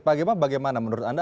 pak gema bagaimana menurut anda